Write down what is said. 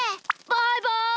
バイバイ。